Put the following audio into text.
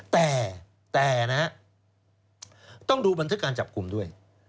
แต่นะต้องดูบันทึกการจับกลุ่มด้วย